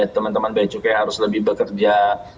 teman teman becukai harus lebih bekerja